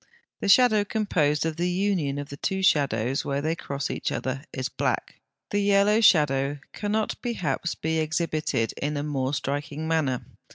The shadow, composed of the union of the two shadows, where they cross each other, is black. The yellow shadow (74) cannot perhaps be exhibited in a more striking manner.